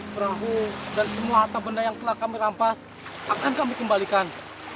perahu dan semua harta benda yang telah kami rampas akan kami kembalikan